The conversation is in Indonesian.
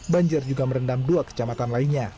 banjir juga merendam dua kecamatan lainnya